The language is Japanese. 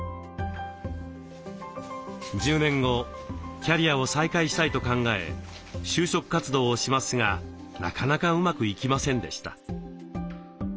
１０年後キャリアを再開したいと考え就職活動をしますがなかなかうまくいきませんでした。